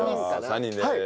３人です。